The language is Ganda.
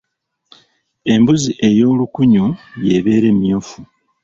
Embuzi ey'olukunyu y'ebeera emyufu.